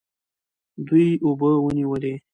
دوی اوبه ونیولې.